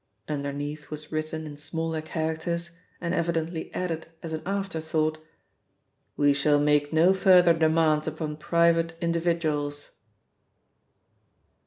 Underneath was written in smaller characters, and evidently added as an afterthought: 'We shall make no further demands upon private individuals.'